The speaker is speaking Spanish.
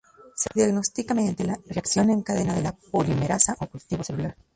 Se diagnostica mediante la reacción en cadena de la polimerasa o cultivo celular.